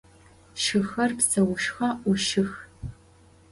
Шыхэр псэушъхьэ ӏушых.